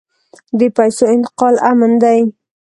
د پیسو انتقال امن دی؟